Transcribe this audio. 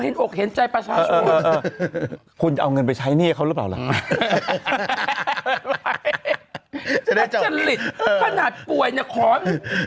หัวใหญ่ใจประชาชน